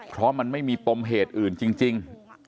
เพราะมันไม่มีปมเหตุอื่นจริง